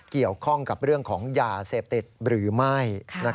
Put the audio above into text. เกี่ยวข้องกับเรื่องของยาเสพติดหรือไม่